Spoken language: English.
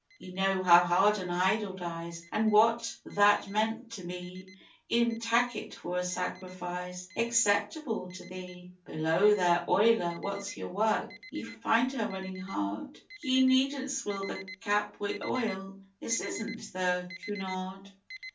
Ye know how hard an Idol dies, an' what that meant to me E'en tak' it for a sacrifice acceptable to Thee.... _Below there! Oiler! What's your wark? Ye find her runnin' hard? Ye needn't swill the cap wi' oil this isn't the Cunard.